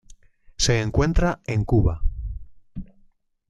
Se encuentra en Cuba.